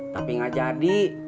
tapi enggak jadi